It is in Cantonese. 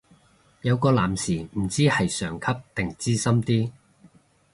有個男士唔知係上級定資深啲